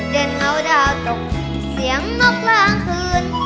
เด่นเงาดาวตกเสียงนกกลางคืน